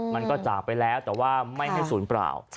จากไปแล้วแต่ว่าไม่ให้ศูนย์เปล่า